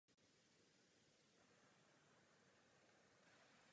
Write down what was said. Ještě nejsme tak daleko.